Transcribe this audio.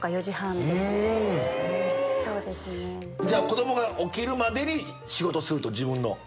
子供が起きるまでに仕事すると自分の。